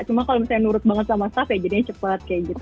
cuma kalau misalnya nurut banget sama staff ya jadinya cepet kayak gitu